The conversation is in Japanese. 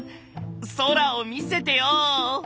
空を見せてよ！